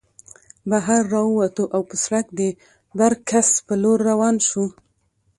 بهر راووتو او پۀ سړک د برکڅ په لور روان شو